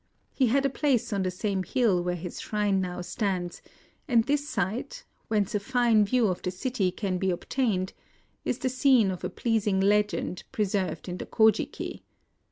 He had a palace on the same hill where his shrine now stands ; and this site — whence a fine view of the city can be obtained — is the scene of a pleasing legend preserved in the Kojiki :—